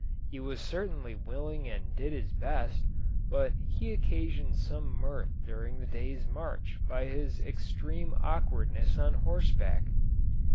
He was certainly willing and did his best, but he occasioned some mirth during the day's march by his extreme awkwardness on horseback.